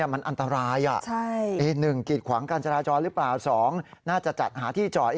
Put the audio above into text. มันอันตราย๑กิดขวางการจราจรหรือเปล่า๒น่าจะจัดหาที่จอด